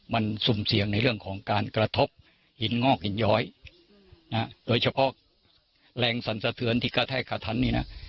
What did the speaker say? มันสุ่มเสี่ยงในเรื่องของการกระทบหินงอกหินย้อยโดยเฉพาะแรงสันสะเทือนที่กระแทกกระทันนี่นะ